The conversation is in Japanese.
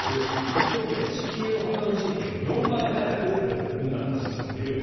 北極圏は地球のほかの地域より４倍早く、温暖化が進んでいる。